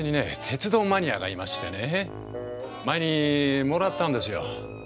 鉄道マニアがいましてね前にもらったんですよ。